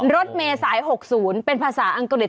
รถเมษาย๖๐เป็นภาษาอังกฤษ